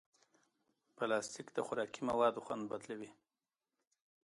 پلاستيک د خوراکي موادو خوند بدلوي.